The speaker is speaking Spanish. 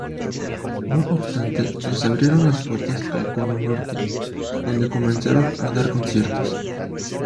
No obstante, les abrieron las puertas al Cono Norte, donde comenzaron a dar conciertos.